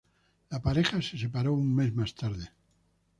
La pareja se separó un mes más tarde.